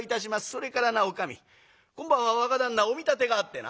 「それからなおかみ今晩は若旦那お見立てがあってな」。